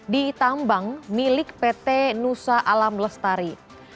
di tambang milik pt nusa alam lestari